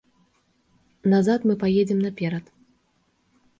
Назад мы паедзем наперад!